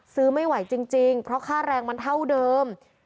ซื้อไม่ไหวจริงเพราะค่าแรงมันเท่าเดิม